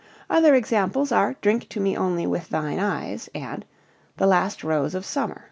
Other examples are "Drink to Me Only With Thine Eyes," and "The Last Rose of Summer."